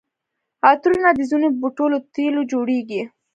عطرونه د ځینو بوټو له تېلو جوړیږي.